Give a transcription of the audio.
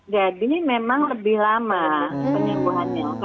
jadi memang lebih lama penyembuhannya